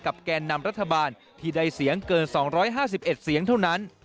แกนนำรัฐบาลที่ได้เสียงเกิน๒๕๑เสียงเท่านั้น